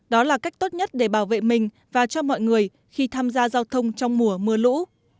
đó là cách tốt nhất để bảo vệ mình và cho mọi người khi tham gia giao thông trong mùa mưa lũ